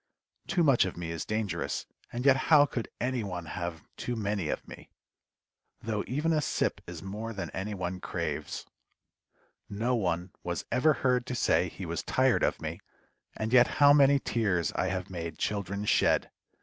Too much of me is dangerous, and yet how could any one have too many of me? though even a sip is more than any one craves. No one was ever heard to say he was tired of me, and yet how many tears I have made children shed!